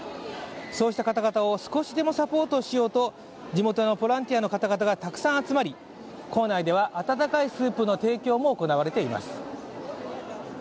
そうした方々を少しでもサポートしようと地元のボランティアの方々がたくさん集まり、構内では温かいスープの提供も行われています。